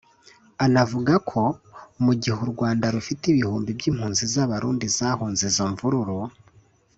Anavuga ko mu gihe u Rwanda rufite ibihumbi by’impunzi z’Abarundi zahunze izo mvururu